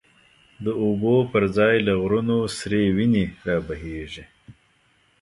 د اوبو پر ځای له غرونو، سری وینی را بهیږی